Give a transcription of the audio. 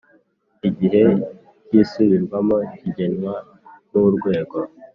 Igihe cy isubirwamo kigenwa n urwego